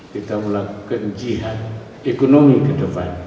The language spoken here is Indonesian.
kita melakukan jihad ekonomi ke depan